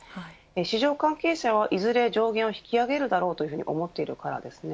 市場関係者はいずれ上限を引き上げるだろうと思っているからです。